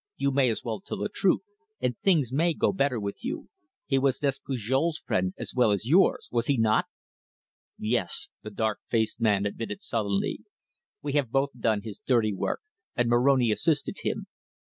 You may as well tell the truth, and things may go better with you. He was Despujol's friend, as well as yours was he not?" "Yes," the dark faced man admitted sullenly. "We have both done his dirty work and Moroni assisted him."